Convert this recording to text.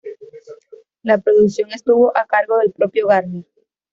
La producción estuvo a cargo del propio Garner.